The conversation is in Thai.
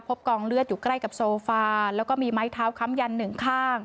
กองเลือดอยู่ใกล้กับโซฟาแล้วก็มีไม้เท้าค้ำยันหนึ่งข้าง